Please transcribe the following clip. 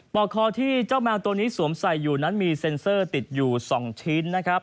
อกคอที่เจ้าแมวตัวนี้สวมใส่อยู่นั้นมีเซ็นเซอร์ติดอยู่๒ชิ้นนะครับ